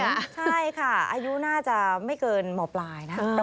ใช่ค่ะอายุน่าจะไม่เกินหมอปลายนะ